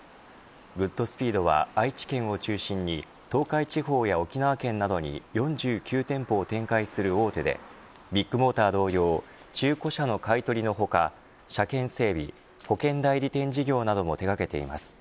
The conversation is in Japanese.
グッドスピードは愛知県を中心に東海地方や沖縄県などに４９店舗を展開する大手でビッグモーター同様中古車の買い取りの他車検整備、保険代理店事業なども手がけています。